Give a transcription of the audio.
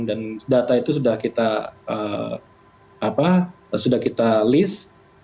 dan data itu sudah kita list